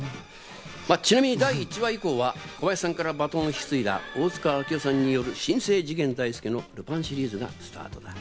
まぁ、ちなみに第１話以降は小林さんからバトンを引き継いだ大塚明夫さんによる新生・次元大介の『ルパン』シリーズがスタートだ。